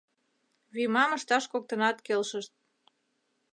Вӱмам ышташ коктынат келшышт.